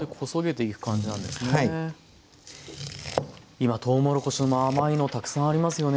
今とうもろこしも甘いのたくさんありますよね。